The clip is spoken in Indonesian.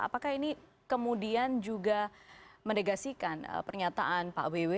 apakah ini kemudian juga mendegasikan pernyataan pak bw